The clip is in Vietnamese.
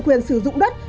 quyền sử dụng đất